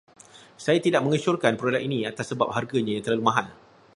Saya tidak mengesyorkan produk ini atas sebab harganya yang terlalu mahal.